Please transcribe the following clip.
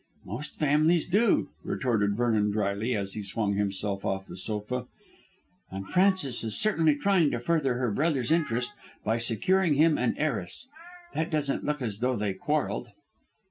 "Most families do," retorted Vernon drily as he swung himself off the sofa, "and Frances is certainly trying to further her brother's interest by securing him an heiress. That doesn't look as though they quarrelled."